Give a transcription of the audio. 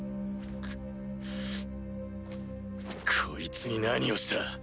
こいつに何をした？